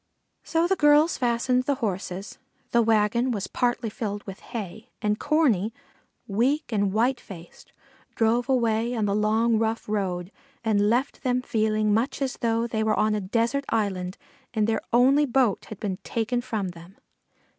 So the girls harnessed the horses; the wagon was partly filled with hay, and Corney, weak and white faced, drove away on the long rough road, and left them feeling much as though they were on a desert island and their only boat had been taken from them.